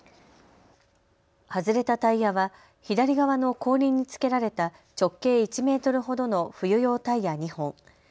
外れたタイヤは左側の後輪につけられた直径１メートルほどの冬用タイヤ２本。